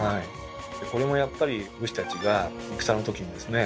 これもやっぱり武士たちが戦のときにですね